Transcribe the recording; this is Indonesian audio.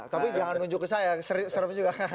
tapi jangan nunjuk ke saya serius serius juga